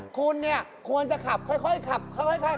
คุณเนี่ยควรจะขับค่อยขับค่อย